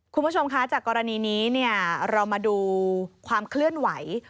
คุณผู้ชมคะจากกรณีนี้เรามาดูความเคลื่อนไหว